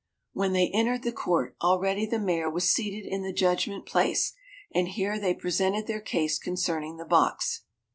When they entered the court, already the Mayor was seated in the judgment place, and here they presented their case concerning the box.